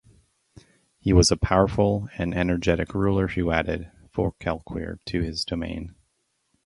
He was a powerful and energetic ruler who added Forcalquier to his domain.